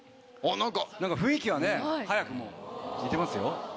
何か雰囲気はね早くも似てますよ。